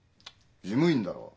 事務員だろう？